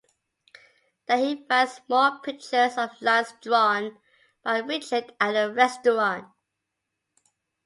There he finds more pictures of lions drawn by Richard at the restaurant.